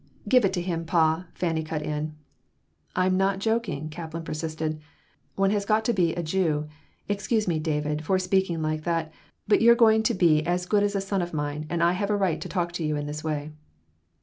"Give it to him, pa!" Fanny cut in. "I am not joking," Kaplan persisted. "One has got to be a Jew. Excuse me, David, for speaking like that, but you re going to be as good as a son of mine and I have a right to talk to you in this way."